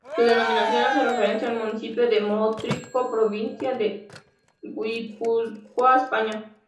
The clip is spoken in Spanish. Su denominación hace referencia al municipio de Motrico, provincia de Guipúzcoa, España.